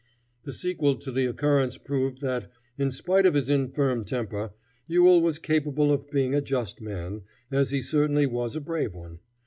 The sequel to the occurrence proved that, in spite of his infirm temper, Ewell was capable of being a just man, as he certainly was a brave one.